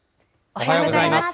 おはようございます。